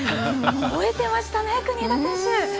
ほえてましたね、国枝選手。